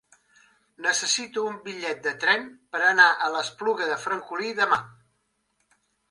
Necessito un bitllet de tren per anar a l'Espluga de Francolí demà.